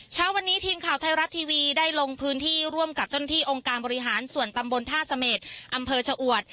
เช้าวันนี้ทีมข่าวไทยรัฐทีวีได้ลงพื้นที่ร่วมกับเจ้าหน้าที่องค์การบริหารส่วนตำบลท่าเสม็ดอำเภอชะอวด